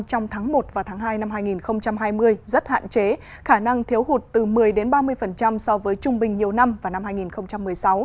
trong tháng một và tháng hai năm hai nghìn hai mươi rất hạn chế khả năng thiếu hụt từ một mươi ba mươi so với trung bình nhiều năm vào năm hai nghìn một mươi sáu